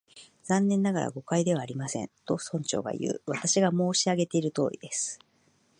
「残念ながら、誤解ではありません」と、村長がいう。「私が申し上げているとおりです」